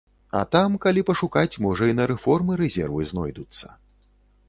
А там, калі пашукаць, можа і на рэформы рэзервы знойдуцца.